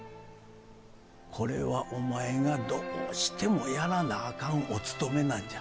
これはお前がどうしてもやらなあかんおつとめなんじゃ。